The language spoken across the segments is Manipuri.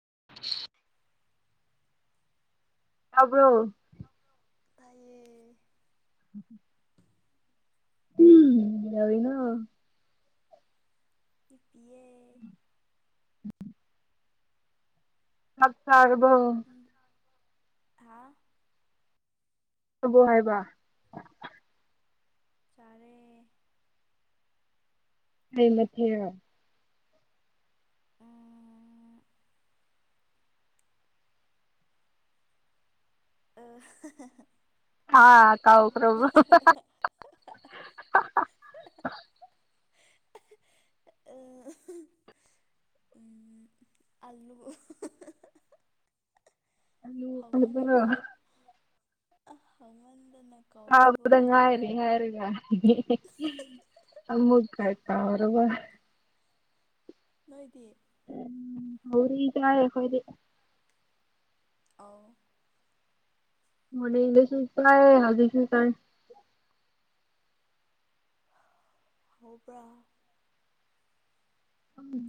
[inaudible] ꯇꯥꯕ꯭ꯔꯣ ꯇꯥꯏꯌꯦ [unintelligible] ꯎꯝ ꯀꯩꯗꯧꯔꯤꯅꯣ ꯍꯤꯞꯄꯤꯌꯦ [unintelligible] ꯆꯥꯛ ꯆꯥꯔꯕꯣ ꯅꯪꯗꯤ ꯍꯥꯥ ꯇꯕꯣ ꯍꯥꯏꯕ ꯆꯥꯔꯦ ꯀꯔꯤ ꯃꯊꯦꯜ ꯎꯝ [unintelligible] ꯍꯥꯥ ꯀꯥꯎꯈꯔꯕꯣ ꯑ [unintelligible] ꯎꯝ ꯑꯂꯨ ꯑꯂꯨ [unintelligible] ꯑꯥ ꯍꯥꯎꯃꯟ ꯀꯥꯕꯗ ꯉꯥꯏꯔꯤ ꯍꯥꯏꯔꯒ ꯑꯃꯨꯛ ꯈꯔꯥ ꯇꯥꯎꯔꯒ ꯅꯣꯏꯗꯤ ꯁꯣꯒꯔ꯭ꯤ ꯆꯥꯔꯦ ꯑꯈꯣꯏꯗꯤ ꯑꯧ ꯃꯅꯤꯡꯗꯁꯨ ꯀꯥꯏ ꯍꯧꯖꯤꯛꯁꯨ ꯆꯥꯏ ꯍꯥꯎꯕ꯭ꯔꯥ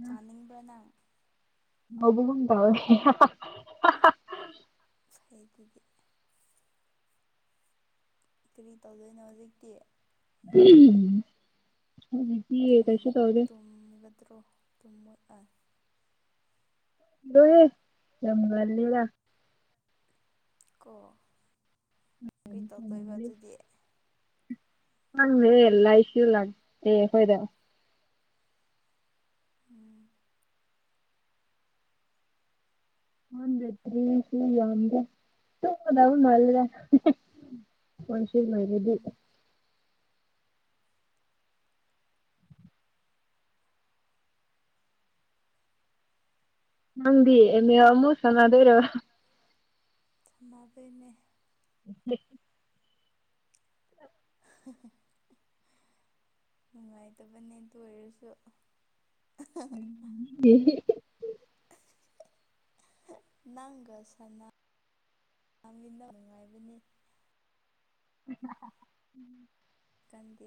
ꯆꯥꯅꯤꯡꯕ꯭ꯔ ꯅꯪ ꯍꯥꯎꯕꯒꯨꯝ ꯇꯧꯋꯦ [unintelligible] ꯐꯩꯗꯨꯗꯤ ꯀꯔꯤ ꯇꯧꯗꯣꯏꯅꯣ ꯍꯧꯖꯤꯛꯇꯤ ꯎꯝ ꯇ ꯇꯨꯝꯒꯗ꯭ꯔꯣ ꯇꯥꯏ [inaudible] ꯌꯥꯝ ꯉꯜꯂꯤꯗ ꯀꯣ ꯀꯩ ꯇꯧꯗꯣꯏꯕ ꯑꯗꯨꯗꯤ ꯍꯪꯗꯦꯍꯦ ꯂꯥꯏꯠꯁꯨ ꯂꯥꯛꯇꯦ ꯑꯈꯣꯏꯗ ꯎꯝ ꯍꯗꯇꯔꯤ ꯁꯤꯦ ꯇꯨꯡꯗꯕ ꯃꯥꯜꯒ ꯃꯟꯁꯤ ꯃꯗꯤ ꯎꯝ ꯅꯪꯗꯤꯅꯦ ꯃꯨꯁꯅꯗ ꯑꯣꯏꯔꯦꯕ ꯊꯃꯗꯅꯦ [unintelligible] [inaudible] [unintelligible] [inaudible] ꯅꯨꯡꯉꯥꯏꯇꯕꯅꯦ ꯑꯗꯨ ꯑꯣꯏꯔꯁꯨ ꯎꯝ ꯅꯪꯒ ꯁꯅꯥ ꯌꯥꯝꯃꯤꯟꯗ ꯅꯨꯡꯉꯥꯏꯕꯅꯤ ꯎꯝ ꯒꯥꯟꯗꯤ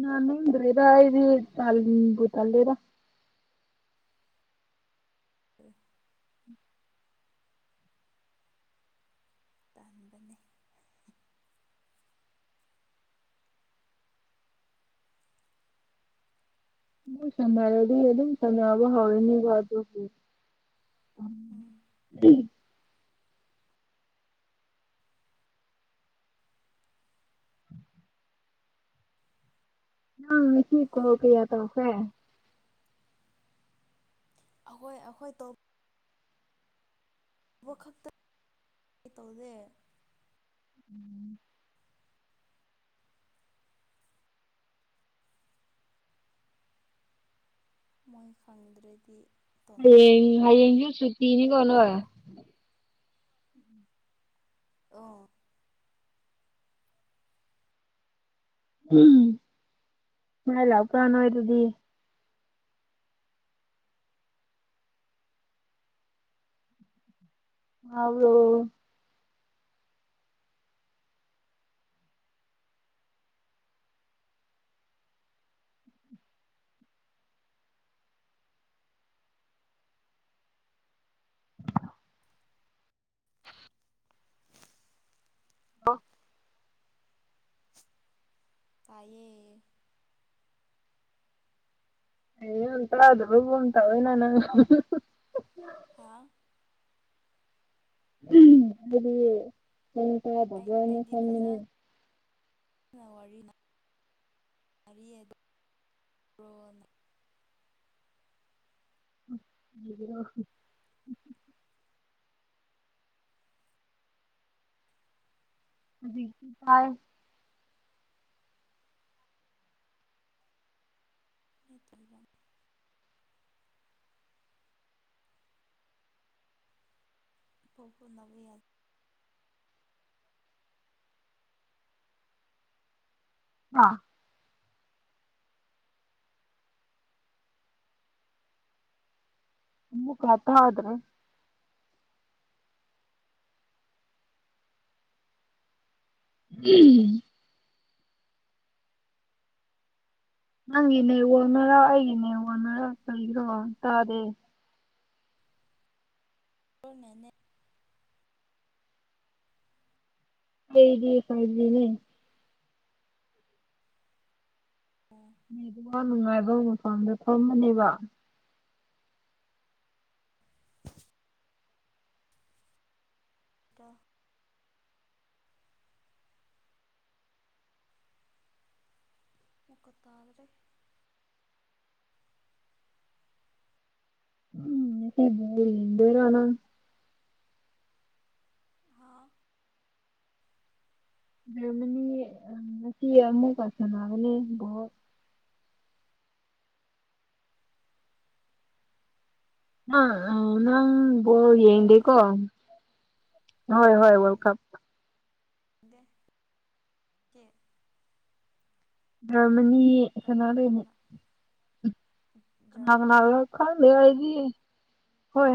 ꯅꯅ ꯍꯗꯔꯦꯗ ꯏꯗꯤ ꯇꯜꯕꯨ ꯇꯂꯦꯗ ꯍ ꯇꯥꯟꯕꯅꯦ ꯃ ꯁꯃꯥꯏꯗꯤ ꯑꯗꯨꯝ ꯁꯌꯥꯝꯕ ꯍꯧꯣꯏꯅꯤ ꯋꯥꯗ ꯐ ꯎꯝ ꯎ ꯑꯪ ꯁꯤ ꯀꯣ ꯀꯌꯥ ꯇꯁꯦ ꯑꯩꯈꯣꯏ ꯑꯩꯈꯣꯏ ꯇ ꯎꯕ ꯈꯛꯇ ꯀ ꯇꯧꯗꯦ ꯎꯝ ꯃꯣꯏ ꯈꯪꯗ꯭ꯔꯗꯤ ꯍꯌꯦꯡ ꯇꯧꯅꯤꯡꯗꯕ ꯍꯌꯦꯡꯁꯨ ꯁꯨꯇꯤꯅꯤ ꯀꯅ ꯑꯣ ꯉꯂ ꯄꯨ꯭ꯔꯥꯅ ꯑꯣꯏꯔꯗꯤ ꯑꯥꯎꯗꯣ [unintelligible] [inaudible] ꯑ ꯇꯥꯏꯌꯦ ꯇ ꯑꯗꯨꯣꯇꯕ ꯏꯅ ꯅ ꯍꯥ ꯁꯀ ꯒꯋꯥꯅꯤ ꯁꯃꯤꯅꯤ ꯋꯥꯔꯤꯔꯤꯅ ꯃꯔꯤꯗꯤ [unintelligible] [inaudible] ꯑꯗꯨꯗꯤ ꯀꯥꯔ ꯅꯠꯇ꯭ꯔꯤꯔꯝꯅꯤ ꯄ ꯍ ꯅ ꯌꯥ ꯑꯥ ꯑꯃꯨꯛꯀ ꯍꯥꯏꯔꯛ ꯑꯣ ꯇꯥꯗꯔꯦ [unintelligible] ꯅꯪꯒꯤꯅꯦ ꯋꯥꯅꯔꯥ ꯑꯩꯒꯤꯅꯦ ꯋꯥꯅꯔꯥ ꯀꯩꯒꯤꯔꯣ ꯇꯥꯗꯦ ꯑꯩ ꯅꯅꯦ ꯑꯩꯗꯤ ꯐꯥꯏꯗꯤꯅꯦ ꯅ ꯑꯗꯨꯒ ꯅꯨꯡꯉꯥꯏꯕ ꯃꯐꯝꯗꯣ ꯈꯃꯅꯦꯕ ꯗ ꯃꯈꯀ ꯇꯥꯗ꯭ꯔꯦ ꯑ ꯏꯟꯔꯅ ꯍꯥ ꯃꯃꯅꯤ ꯉꯁꯤ ꯑꯃꯨꯛꯀ ꯁꯥꯟꯅꯕꯅꯦ ꯕꯣ ꯑ ꯑ ꯅꯪꯣ ꯌꯦꯡ ꯕꯣꯜ ꯗꯀꯣ ꯍꯣꯏ ꯍꯣꯏ ꯋꯥꯔꯜ ꯀꯞ ꯗ ꯀꯦ ꯑ ꯃꯅꯤꯦ ꯁꯅꯥꯅꯅꯦ ꯁꯥꯟꯅ ꯀꯅꯥ ꯖꯔꯃꯅꯤ ꯀꯅꯥ ꯈꯜꯗꯗꯤ ꯍꯣꯏ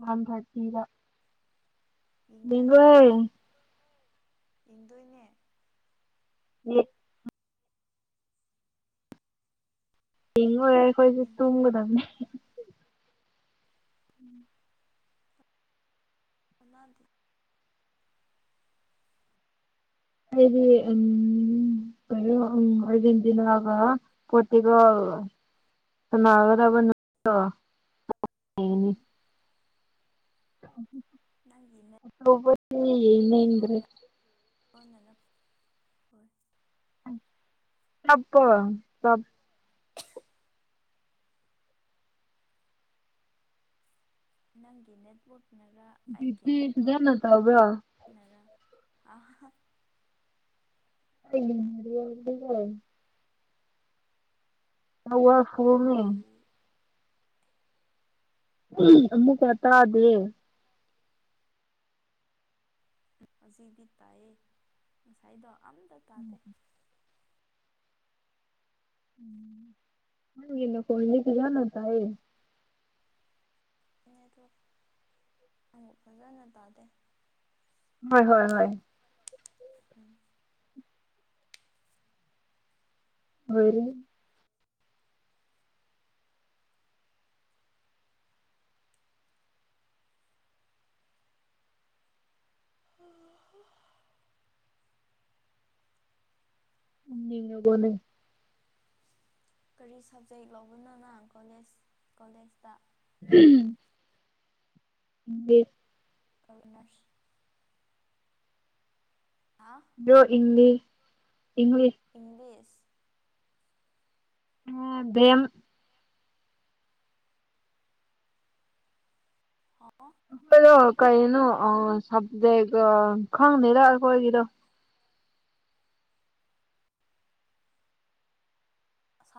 ꯋꯥꯟ ꯊꯔꯇꯤꯗ ꯏꯪꯗ ꯔꯣ ꯅꯪ ꯏꯪꯗꯅꯦ ꯎ ꯍꯤꯡꯉꯔꯦ ꯑꯩꯈꯣꯏꯁꯦ ꯏꯟꯇꯔꯦꯠ ꯇꯨꯝꯒꯗꯕꯅꯤ ꯎꯝ ꯄꯨꯗꯤ ꯍꯥꯏꯗꯤ ꯎꯝ ꯖꯤꯤꯟꯗꯅ ꯍꯥꯏꯒ ꯄꯣꯇꯒ ꯒꯔꯕꯣ ꯎꯝ [unintelligible] ꯅꯪꯒꯤꯅꯦ ꯑꯦ ꯏꯃꯗ꯭ꯔꯦ ꯂꯣꯟꯅꯔ ꯍꯣꯏ ꯆꯄ ꯆꯞ ꯅꯪꯦ ꯅꯗꯕꯨ ꯗꯤꯖꯅ ꯇꯕ ꯑ ꯃꯗꯤ ꯆꯋꯥ ꯁꯨꯔꯃꯤ ꯇꯥꯗꯦ ꯑꯃꯨꯛ ꯀꯌꯥ ꯇꯥꯗꯦ ꯍꯧꯖꯤꯛꯤ ꯇꯥꯏꯌꯦ ꯉꯁꯥꯏꯗꯣ ꯑꯝꯇ ꯇꯥꯗꯦ ꯍ ꯌꯦꯅ ꯈꯣꯍꯤꯅꯤ ꯀ ꯌꯥꯅ ꯇꯌꯦ ꯑꯦꯗꯣ ꯑꯃꯨꯛ ꯐꯖꯅ ꯇꯥꯗꯦ ꯍꯣꯏ ꯍꯣꯏ ꯍꯣꯏ ꯎꯝ ꯑꯣꯏꯣꯏꯔ ꯑꯣ ꯎꯉ ꯐꯅꯤꯡ ꯀꯔꯤ ꯁꯕꯖꯦꯛ ꯂꯧꯕꯅꯅ ꯀꯣꯂꯦꯖ ꯀꯣꯂꯦꯖꯇ [unintelligible] ꯀꯔꯅꯔꯁ ꯌꯣ ꯏꯪꯂꯤ ꯏꯪꯂꯤ ꯏꯪꯂꯤꯁ ꯑ ꯕꯦꯝ ꯍ ꯑꯩꯈꯣꯏꯗꯣ ꯀꯩꯅꯣ ꯁꯞꯖꯦꯛ ꯈꯪꯗꯔ ꯑꯩꯈꯣꯏꯒꯤꯗꯣ ꯑꯁ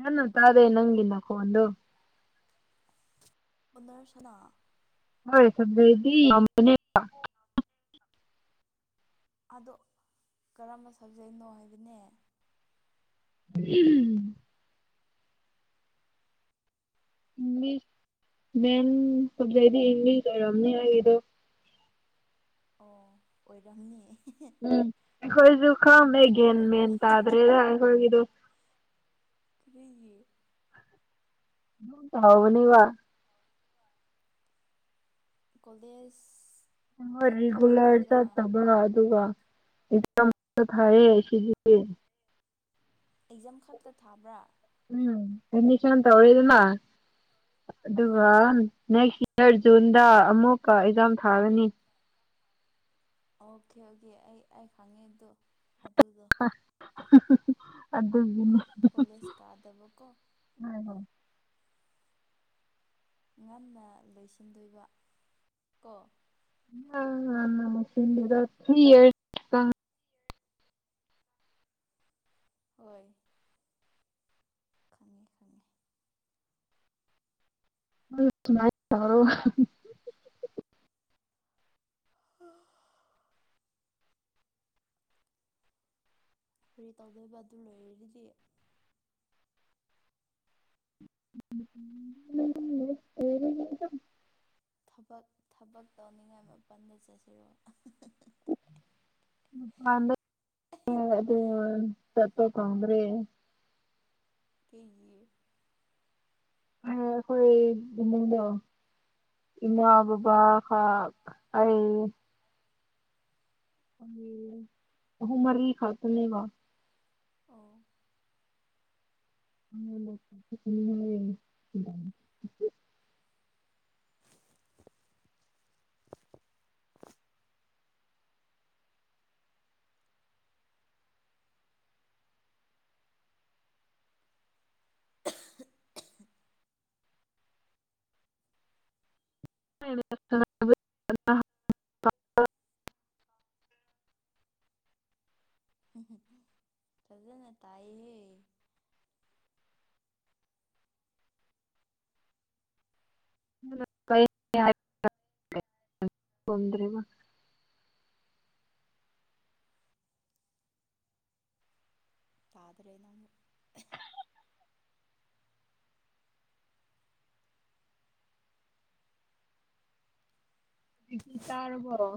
ꯅꯅ ꯇꯥꯦ ꯅꯪ ꯅ ꯀꯣꯟꯣꯟ ꯎꯅꯔꯁꯅꯥ ꯍꯣꯏ ꯁꯗꯤꯅꯦ ꯑꯗꯣ ꯀꯔꯝꯕ ꯁꯕꯖꯦꯛꯅꯣ ꯍꯥꯏꯕꯅꯦ ꯎꯝ ꯏꯂꯤꯁ ꯃ ꯁꯖꯗꯤ ꯏꯪꯂꯤꯁ ꯑꯣꯏꯔꯝꯅꯤ ꯍꯥꯏꯗ ꯑꯣ ꯑꯣꯏꯔꯝꯅꯤꯌꯦ ꯎꯝ ꯑꯩꯈꯣꯏꯁꯨ ꯈꯝꯦꯒꯦꯃꯦ ꯈꯪꯗꯕ ꯇꯗ꯭ꯔꯦꯗ ꯑꯩꯈꯣꯏꯒꯤꯗꯨ ꯀꯔꯤꯒꯤ ꯍꯕꯅꯤ ꯋꯥ ꯀꯂꯦꯖ ꯔꯤꯒꯨꯂꯔ ꯆꯠꯇꯕ ꯑꯗꯨ ꯑꯗꯨꯒ ꯊꯑꯌꯦ ꯁꯤꯒꯤꯦ ꯑꯦꯛꯖꯥꯝ ꯈꯛꯇ ꯊꯥꯕ꯭ꯔꯥ ꯎꯝ ꯍꯅꯤꯁ ꯇ ꯍꯗꯅ ꯑꯗꯨ ꯑꯥ ꯅꯦꯛꯁ ꯏꯔ ꯖꯨꯟꯗ ꯑꯃꯨꯛꯀ ꯑꯦꯛꯖꯥꯝ ꯊꯥꯒꯅꯤ ꯑꯣꯀꯦ ꯑꯣꯀꯦ ꯑꯩ ꯑꯩ ꯈꯪꯉꯦꯗꯣ ꯑꯗꯨꯒꯤꯅꯦ ꯀꯣꯂꯦꯖ ꯀꯥꯗꯕꯀꯣ ꯉꯟꯅ ꯂꯣꯏꯁꯤꯟꯗꯣꯏꯕ ꯀꯣ ꯑ ꯃꯁꯤꯟꯗ ꯊ ꯍꯣꯏ ꯈꯪꯉꯦ ꯈꯪꯉꯦ ꯁꯃꯔꯣ ꯎꯝ ꯐꯔꯤ ꯇꯗꯣꯏꯕ ꯑꯗꯨ ꯂꯣꯏꯔꯗꯤꯌꯦ [unintelligible] [inaudible] ꯊꯕꯛ ꯊꯕꯛ ꯇꯧꯅꯤꯡꯉꯥꯏ ꯃꯄꯟꯗ ꯆꯠꯁꯤꯔꯣ ꯗ꯭ꯔ ꯑꯗꯨ ꯆꯊ ꯀꯗ꯭ꯔꯔꯤ ꯀ [inaudible] ꯑꯩꯈꯣꯏ ꯏꯃꯨꯡꯗ ꯏꯃꯥ ꯑꯥ ꯕꯕꯥ ꯍꯥꯎ ꯑꯩ ꯎ ꯃꯔꯤꯔꯤ ꯈꯇꯅꯦ ꯋꯥ ꯑꯣ [unintelligible] [inaudible] [unintelligible] [inaudible] ꯆꯖꯅ ꯇꯥꯏ [unintelligible] [inaudible] ꯀ [unintelligible] [inaudible] ꯇꯗ꯭ꯔꯦꯕ ꯇꯥꯗꯔꯦꯅ ꯤ ꯇꯥꯔ ꯄꯨꯣꯔꯣ